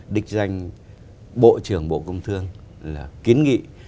đích danh bộ trưởng bộ công thương là kiến nghị